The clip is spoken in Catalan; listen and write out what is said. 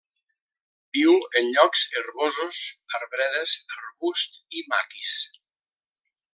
Viu en llocs herbosos, arbredes, arbust i maquis.